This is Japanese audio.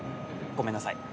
ごめんなさい。